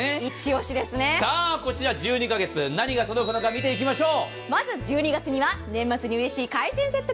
こちら１２カ月、何が届くのか見ておきましょう。